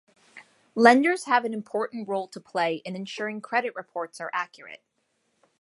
Lenders have an important role to play in ensuring credit reports are accurate.